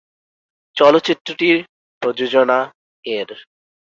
চলচ্চিত্রটির প্রযোজনা -এর।